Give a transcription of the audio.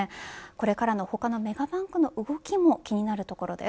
これからの他のメガバンクの動きも気になるところです。